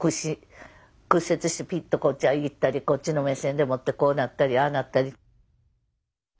屈折してピッとこっち行ったりこっちの目線でもってこうなったりああなったり。